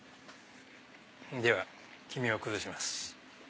では黄身を崩します。